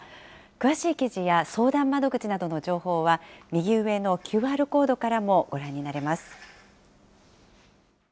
詳しい記事や相談窓口などの情報は、右上のＱＲコードからもご覧になれます。